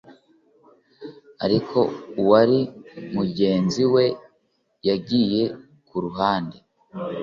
ariko uwari mugenzi we yagiye ku ruhande